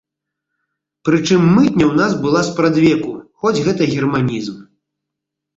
Прычым мытня ў нас была спрадвеку, хоць гэта германізм.